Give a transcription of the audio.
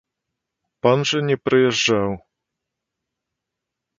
Пан жа не прыязджаў.